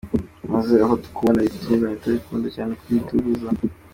Maze aho kubona ibidutanya tukibanda cyane kubiduhuza.